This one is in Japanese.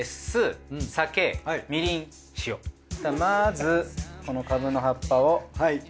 まずこのカブの葉っぱを。